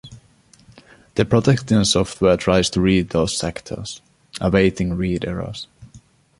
The protection software tries to read those sectors, awaiting read-errors.